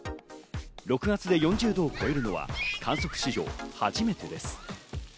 ６月で４０度を超えるのは観測史上初めてです。